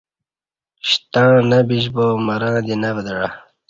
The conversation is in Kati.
شتںݩع نہ بِشبا مرں دی نہ ودعہ